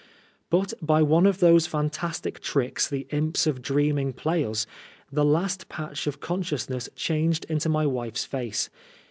But by one of those fantastic tricks the imps of dreaming play us, the last patch of consciousness changed into my wife's face.